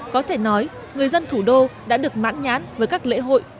có thể nói người dân thủ đô đã được mãn nhãn với các lễ hội